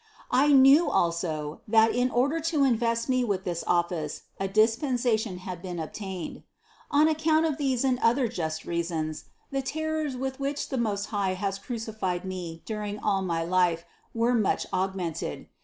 I knew also, that in order to invest me with this office a dispensation had been obtained. On account of these and other just reasons, the terrors with which the Most High has crucified me during all my life, were much augmented.